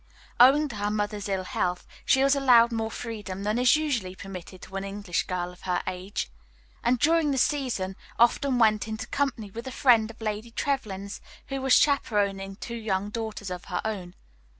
Owing to her mother's ill health, she was allowed more freedom than is usually permitted to an English girl of her age; and, during the season, often went into company with a friend of Lady Trevlyn's who was chaperoning two young daughters of her own.